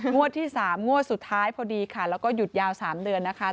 งวดที่๓งวดสุดท้ายพอดีค่ะแล้วก็หยุดยาว๓เดือนนะคะ